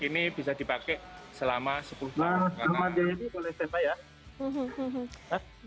ini bisa dipakai selama sepuluh tahun